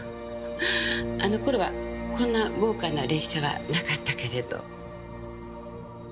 あの頃はこんな豪華な列車はなかったけれど。